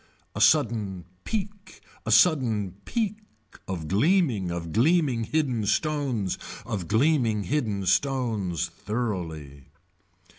A sudden peak a sudden peak of gleaming of gleaming hidden stones of gleaming hidden stones thoroughly.